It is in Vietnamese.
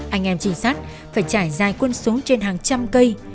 anh em trinh sát phải trải dài quân số trên hàng trăm cây